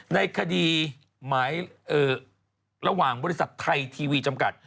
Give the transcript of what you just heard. ในคดีหมายระหว่างบริษัทไทยทีวีจำกัด